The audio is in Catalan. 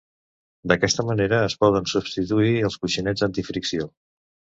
D'aquesta manera es poden substituir els coixinets antifricció.